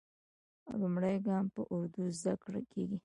لومړی ګام په اردو زده کېږي.